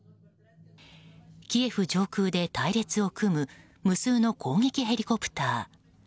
キエフ上空で隊列を組む無数の攻撃ヘリコプター。